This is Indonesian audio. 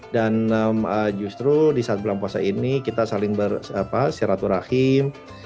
dan justru di saat bulan puasa ini kita saling ber siraturahim